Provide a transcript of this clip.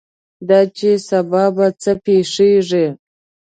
دا چې سبا به څه پېښېږي.